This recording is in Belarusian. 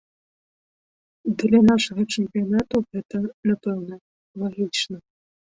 Для нашага чэмпіянату гэта, напэўна, лагічна.